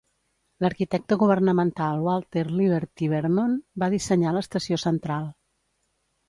L'arquitecte governamental Walter Liberty Vernon va dissenyar l'estació central.